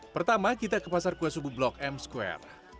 pertama kita ke pasar kuasubu blok m square